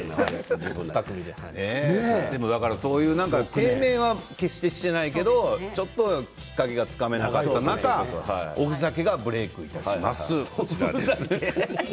低迷は決してしてないけどちょっときっかけがつかめなかった中おふざけがブレークいたします。